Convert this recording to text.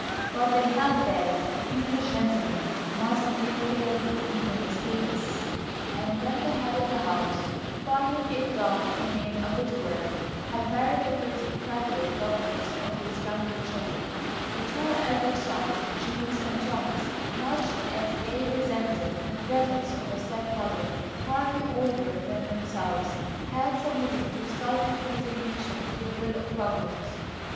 But they held that English gentlemen must deal fairly, even with Papists; and when the head of the house, finding it dull to remain a widower, had married the pretty Catholic governess of his younger children, the two elder sons, James and Thomas, much as they resented the presence of a step mother hardly older than themselves, had submitted with sulky resignation to the will of Providence.